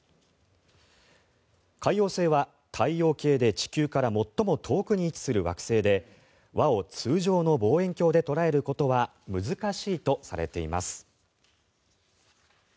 海王星は太陽系で地球から最も遠くに位置する惑星で輪を通常の望遠鏡で捉えることは難しいとされています。